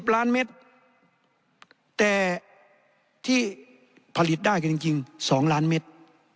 ล้านเมตรแต่ที่ผลิตได้กันจริง๒ล้านเมตร